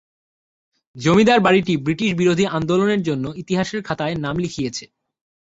জমিদার বাড়িটি ব্রিটিশ বিরোধী আন্দোলনের জন্য ইতিহাসের খাতায় নাম লিখিয়েছে।